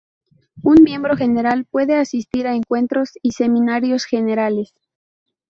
Un miembro general puede asistir a encuentros y seminarios generales.